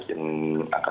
yang akan kami lakukan